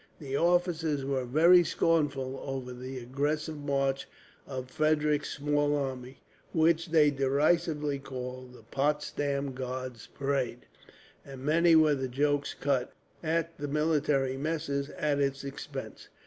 The officers were very scornful over the aggressive march of Frederick's small army, which they derisively called the Potsdam Guards' Parade; and many were the jokes cut, at the military messes, at its expense.